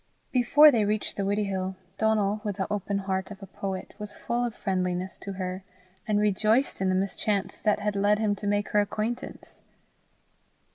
Before they reached the Widdiehill, Donal, with the open heart of the poet, was full of friendliness to her, and rejoiced in the mischance that had led him to make her acquaintance.